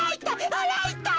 あらいたい。